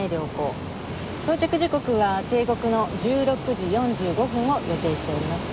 到着時刻は定刻の１６時４５分を予定しております。